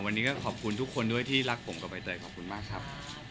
วันนี้ก็ขอบคุณทุกคนด้วยที่รักผมกับใบเตยขอบคุณมากครับ